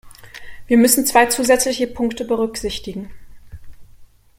Wir müssen zwei zusätzliche Punkte berücksichtigen.